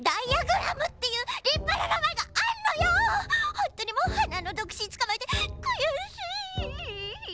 ほんとにもうはなのどくしんつかまえてくやしい。